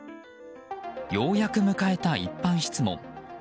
ようやく迎えた一般質問。